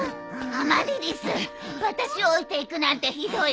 アマリリス私を置いていくなんてひどいわ。